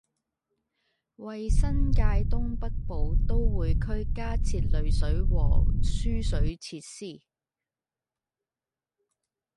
為新界東北部都會區加設濾水和輸水設施